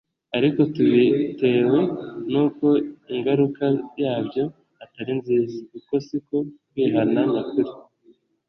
ariko tubitewe n'uko ingaruka yabyo atari nziza, uko siko kwihana nyakuri.